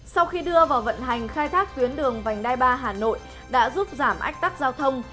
sau khi đưa vào vận hành khai thác tuyến đường vành đai ba hà nội đã giúp giảm ách tắc giao thông